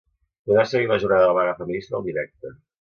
Podeu seguir la jornada de la vaga feminista al directe.